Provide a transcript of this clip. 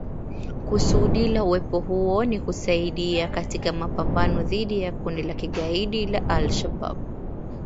Kusudi la uwepo huo ni kusaidia katika mapambano dhidi ya kundi la kigaidi la al Shabaab